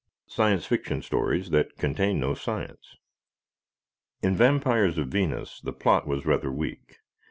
Science Fiction stories that contain no science. In "Vampires of Venus" the plot was rather weak.